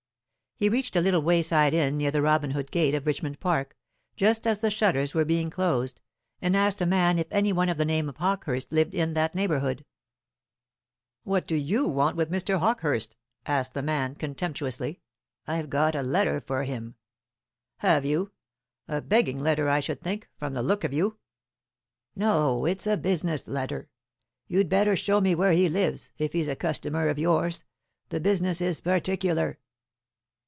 He reached a little wayside inn near the Robin Hood gate of Richmond Park, just as the shutters were being closed, and asked a man if any one of the name of Hawkehurst lived in that neighbourhood. "What do you want with Mr. Hawkehurst?" asked the man, contemptuously. "I've got a letter for him." "Have you? A begging letter, I should think, from the look of you." "No; it's a business letter. You'd better show me where he lives, if he's a customer of yours. The business is particular."